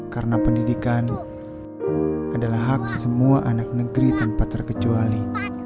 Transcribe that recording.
karena pendidikan adalah hak semua anak negeri tanpa terkecuali